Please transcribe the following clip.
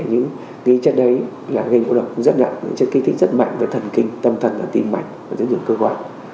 những chất đấy là ngây ngộ độc rất nặng những chất kinh tích rất mạnh về thần kinh tâm thần và tim mạnh của những cơ quan